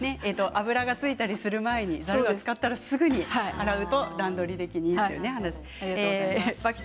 油がついたりする前に使ったらすぐに洗うと段取り的にということでしたね。